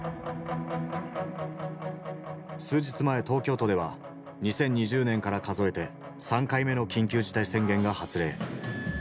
数日前東京都では２０２０年から数えて３回目の緊急事態宣言が発令。